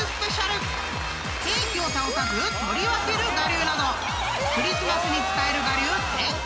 ［ケーキを倒さず取り分ける我流などクリスマスに使える我流てんこ盛り！］